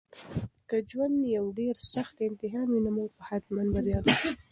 که ژوند یو ډېر سخت امتحان وي نو موږ به حتماً بریالي شو.